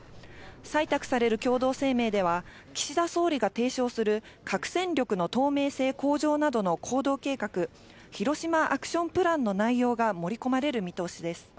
採択される共同声明では、岸田総理が提唱する核戦力の透明性向上などの行動計画、ヒロシマ・アクション・プランの内容が盛り込まれる見通しです。